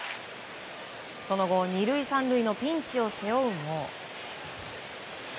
その後２塁３塁のピンチを背負うも。